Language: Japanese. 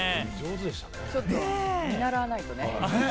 ちょっと見習わないとね。